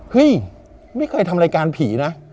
เฮ้ยไม่เคยทำรายการผีนะ